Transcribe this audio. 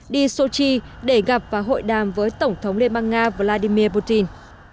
đi sochi để gặp và hội đàm với tổng thống liên bang nga vladimir putin